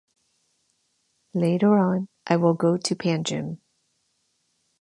Later on I will go to Panjim.